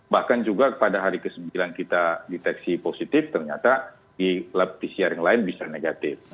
bahkan juga pada hari ke sembilan kita deteksi positif ternyata di lab pcr yang lain bisa negatif